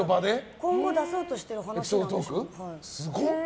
今後出そうとしてる話なんでしょうね。